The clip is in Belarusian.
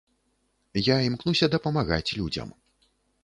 Я імкнуся дапамагаць людзям.